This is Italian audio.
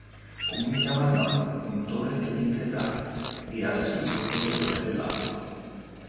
Comunicava a nord con Torre dell'Inserraglio e a sud con Torre dell'Alto.